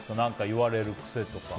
言われる癖とか。